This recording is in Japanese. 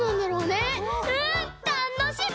うん！たのしみ！